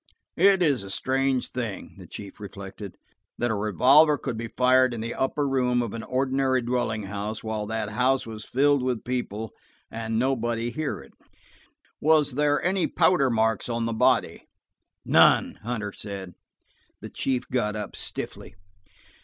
"It is a strange thing," the chief reflected, "that a revolver could be fired in the upper room of an ordinary dwelling house, while that house was filled with people–and nobody hear it. Were there any powder marks on the body ?" "None," Hunter said. The chief got up stiffly.